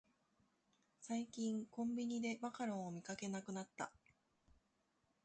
最近コンビニでマカロンを見かけなくなった